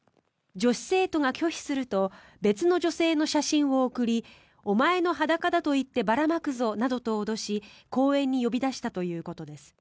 女子生徒が拒否すると別の女性の写真を送りお前の裸だと言ってばらまくぞなどと脅し公園に呼び出したということです。